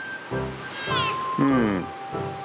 うん。